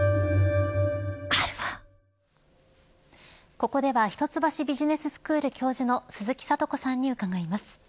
ここでは一橋ビジネススクール教授の鈴木智子さんに伺います。